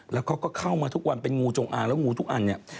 แล้วเขาก็เข้ามาทุกวันเป็นงูจงอางแล้วงูทุกอันเนี่ย